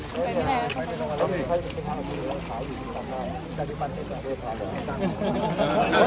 ได้รียมต่อก่อนอ่ะตัวใจน่ะอ่าใช่มากแล้วใช่